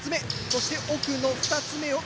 そして奥の２つ目を。